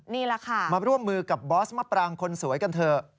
นี่แหละค่ะมาร่วมมือกับบอสมะปรางคนสวยกันเถอะ